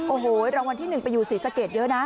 โอ้โหรางวัลที่๑ไปอยู่ศรีสะเกดเยอะนะ